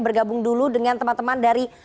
bergabung dulu dengan teman teman dari